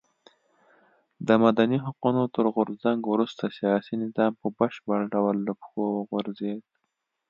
د مدني حقونو تر غورځنګ وروسته سیاسي نظام په بشپړ ډول له پښو وغورځېد.